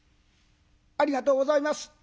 「ありがとうございます。